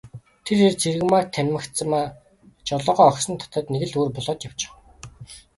Тэр эр Цэрэгмааг танимагцаа жолоогоо огцом татаад нэг л өөр болоод явчхав.